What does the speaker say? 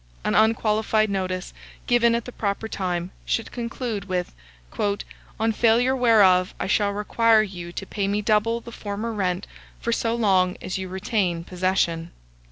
An unqualified notice, given at the proper time, should conclude with "On failure whereof, I shall require you to pay me double the former rent for so long as you retain possession."